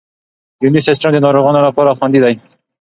یوني سیسټم د ناروغانو لپاره خوندي دی.